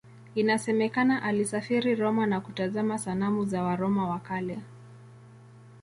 Inasemekana alisafiri Roma na kutazama sanamu za Waroma wa Kale.